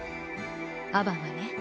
アバンはね